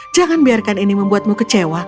jangan biarkan ini membuatmu kecewa